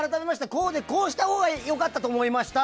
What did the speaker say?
こうでこうしたほうが良かったと思いました。